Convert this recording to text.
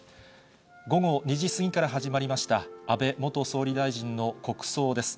午後２時過ぎから始まりました、安倍元総理大臣の国葬です。